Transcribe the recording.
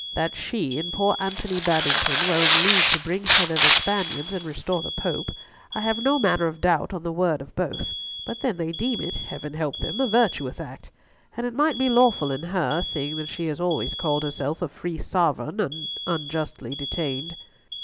That she and poor Antony Babington were in league to bring hither the Spaniards and restore the Pope, I have no manner of doubt on the word of both, but then they deem it—Heaven help them—a virtuous act; and it might be lawful in her, seeing that she has always called herself a free sovereign unjustly detained.